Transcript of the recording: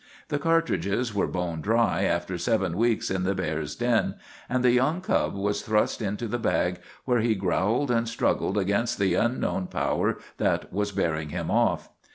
The cartridges were bone dry after seven weeks in the bears' den, and the young cub was thrust into the bag, where he growled and struggled against the unknown power that was bearing him off.